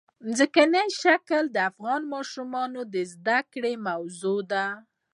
ځمکنی شکل د افغان ماشومانو د زده کړې موضوع ده.